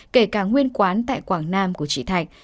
kể cả nguyên quán tại quảng nam của chị thạch